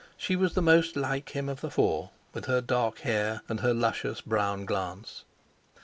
She was the most like him of the four, with her dark hair, and her luscious brown glance.